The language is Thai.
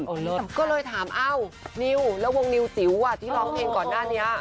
โอ้โฮสำคัญก็เลยถามนิวแล้ววงนิวจิ๋วที่ร้องเพลงก่อนหน้านี้